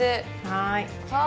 はい。